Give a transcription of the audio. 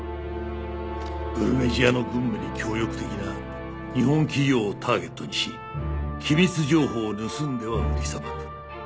ブルネジアの軍部に協力的な日本企業をターゲットにし機密情報を盗んでは売りさばく。